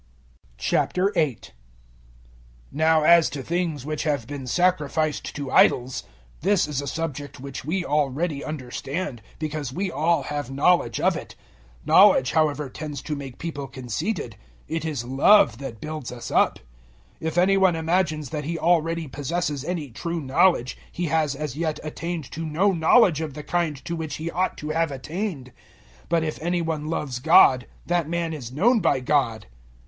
008:001 Now as to things which have been sacrificed to idols. This is a subject which we already understand because we all have knowledge of it. Knowledge, however, tends to make people conceited; it is love that builds us up. 008:002 If any one imagines that he already possesses any true knowledge, he has as yet attained to no knowledge of the kind to which he ought to have attained; 008:003 but if any one loves God, that man is known by God.